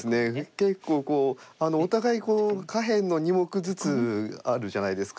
結構こうお互い下辺の２目ずつあるじゃないですか。